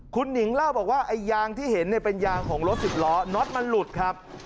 คุณหนิงเล่าบอกว่าไอ้ยางที่เห็นเนี่ยเป็นยางของรถสิบล้อน็อตมันหลุดครับ